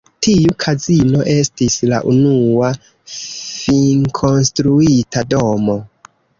Tiu kazino estis la unua finkonstruita domo.